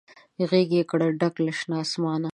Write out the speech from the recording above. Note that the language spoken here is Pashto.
غیږ یې کړه ډکه له شنه اسمانه